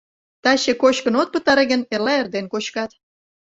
Таче кочкын от пытаре гын, эрла эрден кочкат.